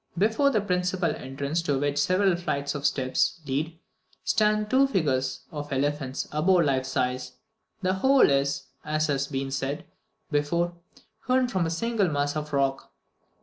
Before the principal entrance, to which several flights of steps lead, stand two figures of elephants above life size. The whole is, as has been said before, hewn from a single mass of rock.